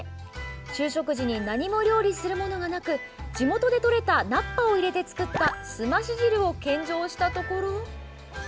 昼食時に何も料理するものがなく地元で採れた菜っぱを入れて作ったすまし汁を献上したところ。